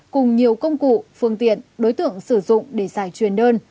cùng nhiều công cụ phương tiện đối tượng sử dụng để giải truyền đơn